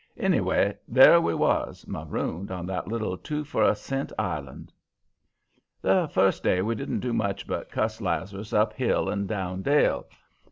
Anyway, there we was, marooned on that little two for a cent island. "The first day we didn't do much but cuss Lazarus up hill and down dale.